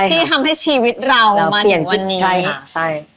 ที่ทำให้ชีวิตเรามาถึงวันนี้ใช่